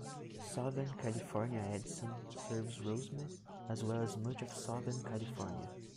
Southern California Edison serves Rosemead, as well as much of Southern California.